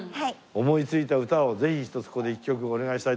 思いついた歌をぜひひとつここで一曲お願いしたいと思います。